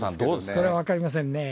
それは分かりませんね。